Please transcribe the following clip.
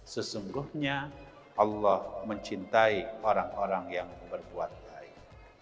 sesungguhnya allah mencintai orang orang yang berbuat baik